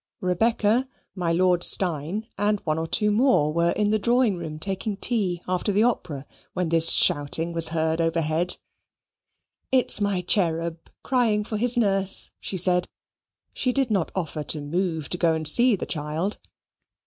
Rebecca, my Lord Steyne, and one or two more were in the drawing room taking tea after the opera, when this shouting was heard overhead. "It's my cherub crying for his nurse," she said. She did not offer to move to go and see the child.